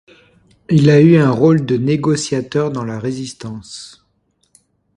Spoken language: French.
Il a eu un rôle de négociateur dans la Résistance.